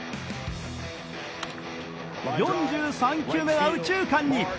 ４３球目は右中間に。